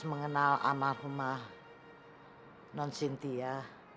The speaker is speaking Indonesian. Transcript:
mengenal amat rumah nonsintia